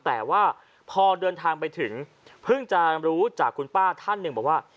แต่ว่าพอเดินทางไปถึงเพิ่งจะรู้จากคุณป้าท่านหนึ่งบอกว่า